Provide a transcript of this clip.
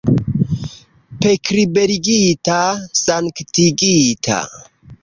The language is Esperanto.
Pekliberigita, sanktigita!